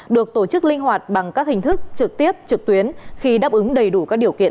được tổ chức linh hoạt bằng các hình thức trực tiếp trực tuyến khi đáp ứng đầy đủ các điều kiện